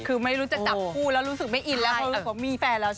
คือไม่รู้จะจับผู้แล้วรู้สึกไม่อิน